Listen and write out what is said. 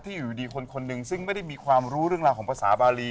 ที่จังหวัดสระบุรี